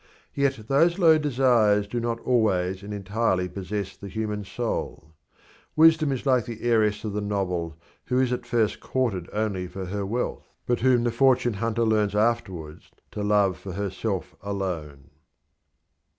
Yet those low desires do not always and entirely possess the human soul. Wisdom is like the heiress of the novel who is at first courted only for her wealth, but whom the fortune hunter learns afterwards to love for herself alone.